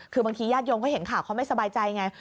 คือบางทีญาติโยมเขาเห็นข่าวเขาไม่สบายใจไง